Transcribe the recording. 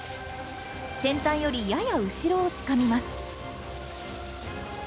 先端よりやや後ろをつかみます。